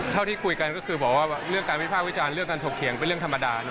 ที่คุยกันก็คือบอกว่าเรื่องการวิภาควิจารณ์เรื่องการถกเถียงเป็นเรื่องธรรมดา